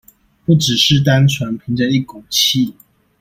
不只是單純憑著一股氣